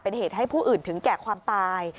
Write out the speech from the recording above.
เป็นเหตุให้ผู้อื่นถึงแก่ความตาย